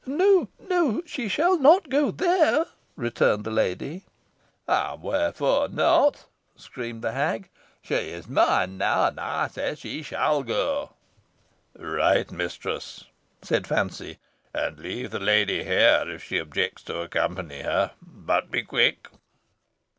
"No, no she shall not go there," returned the lady. "And wherefore not?" screamed the hag. "She is mine now, and I say she shall go." "Right, mistress," said Fancy; "and leave the lady here if she objects to accompany her. But be quick."